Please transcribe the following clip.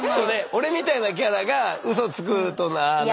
俺みたいなキャラがウソつくとあ何か。